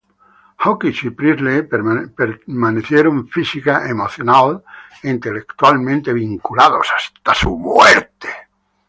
Hawkes y Priestley permanecieron física, emocional e intelectualmente vinculados hasta sus muertes.